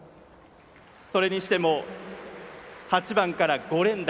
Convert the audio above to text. それにしても、８番から５連打。